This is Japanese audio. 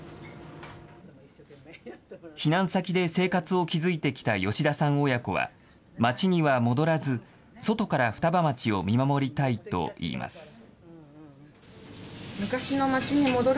避難先で生活を築いてきた吉田さん親子は、町には戻らず、外から双葉町を見守りたいといいます。